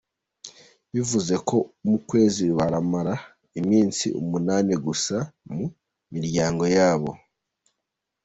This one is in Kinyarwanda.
Bivuze ko mu kwezi bamara iminsi umunani gusa mu miryango yabo.